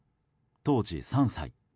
当時３歳。